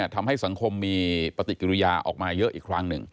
ทำให้สังคมมีปฏิกิริยาออกมาเยอะอีกครั้งหนึ่ง